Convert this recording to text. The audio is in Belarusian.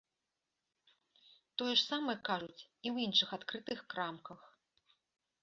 Тое ж самае кажуць і ў іншых адкрытых крамках.